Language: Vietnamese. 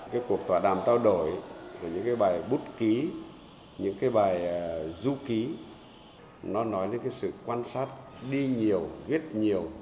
cái cuộc tỏa đàm trao đổi những cái bài bút ký những cái bài du ký nó nói đến cái sự quan sát đi nhiều ghét nhiều